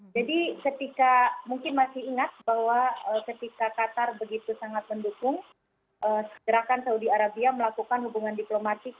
jadi mungkin masih ingat bahwa ketika qatar begitu sangat mendukung segerakan saudi arabia melakukan hubungan diplomatik